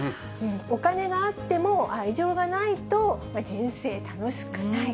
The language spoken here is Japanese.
お金があっても愛情がないと、人生楽しくない。